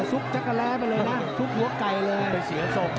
สุกจักรแร้ไปเลยนะสุกหัวไก่เลย